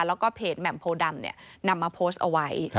แล้วก็เพจแหม่มโพดำนำมาโพสต์เอาไว้